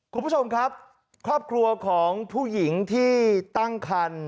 คุณผู้ชมครับครอบครัวของผู้หญิงที่ตั้งคัน